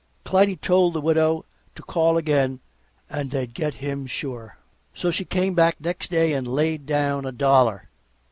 Clytie told the Widow to call again and they'd get him sure. So she came back next day and laid down a dollar.